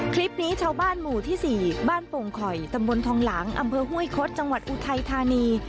คลิปนี้ชาวบ้านหมู่ที่๔บ้านโป่งข่อยตำบลทองหลังอำเภอห้วยคดจังหวัดอุทัยธานี